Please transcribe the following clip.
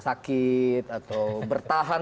sakit atau bertahan